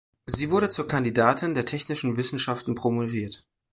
Sie wurde zur Kandidatin der technischen Wissenschaften promoviert.